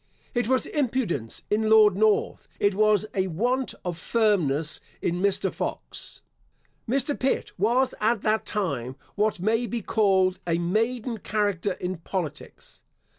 It was impudence in Lord North; it was a want of firmness in Mr. Fox. Mr. Pitt was, at that time, what may be called a maiden character in politics.